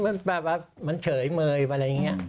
มันแบบว่ามันเฉยเมยอะไรอย่างนี้